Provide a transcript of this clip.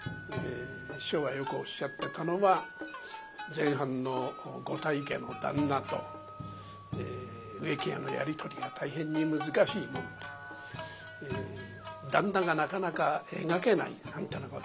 師匠がよくおっしゃってたのは前半のご大家の旦那と植木屋のやり取りが大変に難しいもんで「旦那がなかなか描けない」なんてなことを師匠もよく言っておりました。